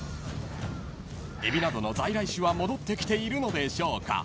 ［エビなどの在来種は戻ってきているのでしょうか］